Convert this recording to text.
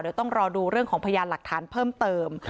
เดี๋ยวต้องรอดูเรื่องของพยานหลักฐานเพิ่มเติม